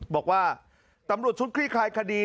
บอกว่าตำรวจชุดคลี่คลายคดี